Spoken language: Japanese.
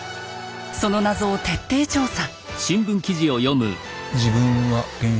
その謎を徹底調査。